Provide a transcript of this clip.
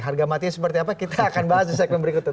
harga matinya seperti apa kita akan bahas di segmen berikutnya